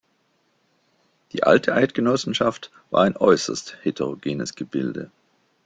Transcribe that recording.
Die Alte Eidgenossenschaft war ein äusserst heterogenes Gebilde.